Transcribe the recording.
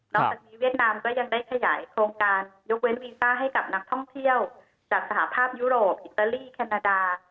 จากนี้เวียดนามก็ยังได้ขยายโครงการยกเว้นวีซ่าให้กับนักท่องเที่ยวจากสหภาพยุโรปอิตาลีแคนาดา